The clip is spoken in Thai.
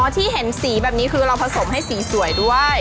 ที่เห็นสีแบบนี้คือเราผสมให้สีสวยด้วย